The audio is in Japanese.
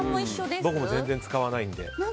僕も全然使わないので。